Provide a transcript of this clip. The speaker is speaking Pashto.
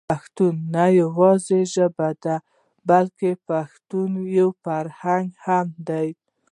پښتو نه يوازې ژبه ده بلکې پښتو يو فرهنګ هم دی.